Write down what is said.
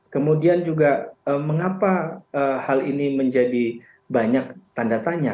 kemudian juga mengapa hal ini menjadi banyak tanda tanya